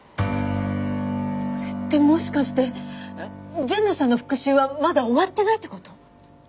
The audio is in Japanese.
それってもしかして純奈さんの復讐はまだ終わってないって事？